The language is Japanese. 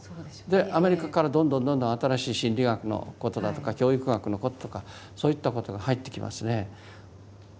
アメリカからどんどんどんどん新しい心理学のことだとか教育学のこととかそういったことが入ってきますね。